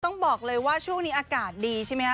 ต้องบอกเลยว่าช่วงนี้อากาศดีใช่ไหมฮะ